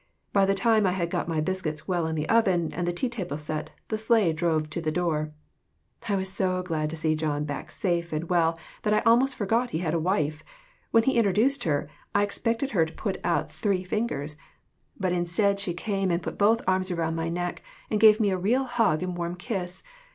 By the time I had got my biscuits well in the oven, and the tea table set, the sleigh drove to the door. I was so glad to see John back safe and well that I almost forgot he had a wife. When he introduced her, I expected her to put out three 8 AUNT HANNAH'S LETTER TO HER SISTER. fingers ; but instead, she came and put both arms around my neck, and gave me a real hug and warm kiss.